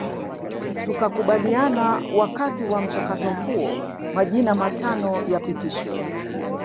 Tukakubaliana Wakati wa mchakato huo majina matano yapitishwe